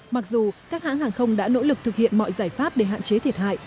mặc dù các hãng hàng không đã nỗ lực thực hiện mọi giải pháp để hạn chế thiệt hại